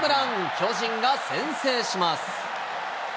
巨人が先制します。